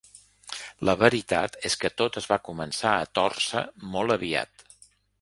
La veritat és que tot es va començar a tòrcer molt aviat.